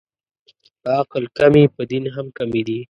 په عقل کمې، په دین هم کمې دي